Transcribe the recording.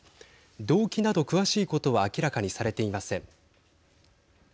動機など詳しいことは明らかにされていません。